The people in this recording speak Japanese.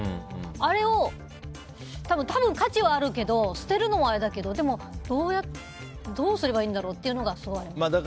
あれを多分、価値はあるけど捨てるのもあれだけどでも、どうすればいいんだろうってのがすごいあります。